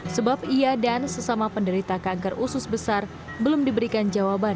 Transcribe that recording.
sebab ia dan sesama penderita kanker usus besar belum diberikan jawaban